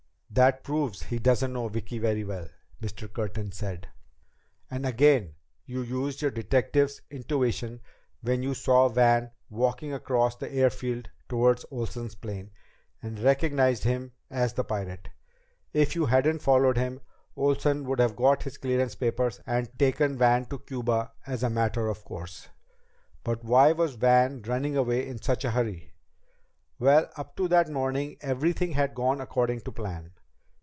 "That proves he doesn't know Vicki very well," Mr. Curtin said. "And again you used your detective's intuition when you saw Van walking across the airfield toward Olsen's plane, and recognized him as the pirate. If you hadn't followed him, Olsen would have got his clearance papers and taken Van to Cuba as a matter of course." "But why was Van running away in such a hurry?" "Well, up to that morning everything had gone according to plan.